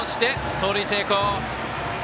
盗塁成功。